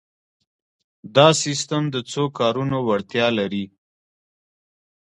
دا سیسټم د څو کارونو وړتیا لري.